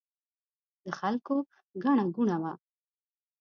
د خلکو ګڼه ګوڼه وه.